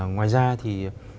ngoài ra thì